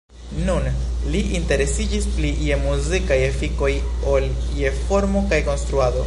Nun, li interesiĝis pli je muzikaj efikoj ol je formo kaj konstruado.